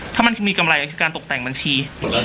ถ้ามันมีกำไรก็คือการตกแต่งบัญชี